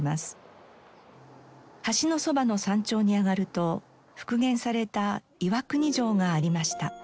橋のそばの山頂に上がると復元された岩国城がありました。